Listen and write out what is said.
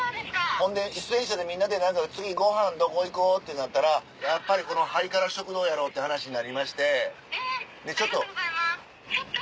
ほんで出演者でみんなで次ご飯どこ行こうってなったらやっぱりこのハイカラ食堂やろって話になりまして。